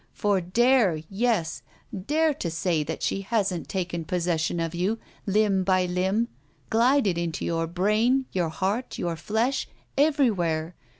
For dare, yes, dare to say that she hasn't taken possession of you, limb by limb, glided into your brain, your heart, your flesh, everywhere!